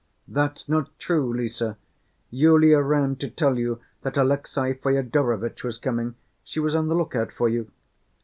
"That's not true, Lise, Yulia ran to tell you that Alexey Fyodorovitch was coming. She was on the look‐out for you."